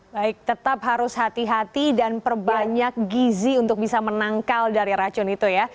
baik tetap harus hati hati dan perbanyak gizi untuk bisa menangkal dari racun itu ya